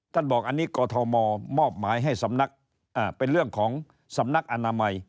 ท่านบอกอันนี้กฏมมอบหมายเป็นเรื่องของสำนักอนามัย